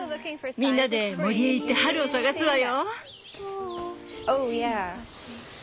みんなで森へ行って春を探すわよ。